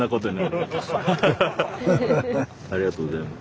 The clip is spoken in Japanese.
ありがとうございます。